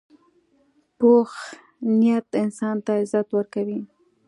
پوخ نیت انسان ته عزت ورکوي